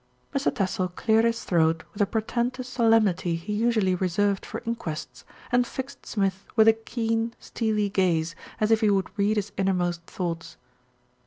Mr. Tassell cleared his throat with the portentous solemnity he usually reserved for inquests, and fixed Smith with a keen, steely gaze, as if he would read his innermost thoughts.